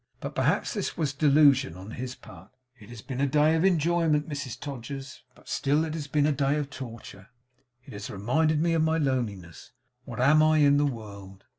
But perhaps this was delusion on his part. 'It has been a day of enjoyment, Mrs Todgers, but still it has been a day of torture. It has reminded me of my loneliness. What am I in the world?